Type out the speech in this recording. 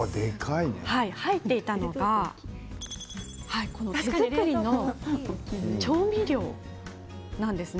入っていたのが手作りの調味料なんですね。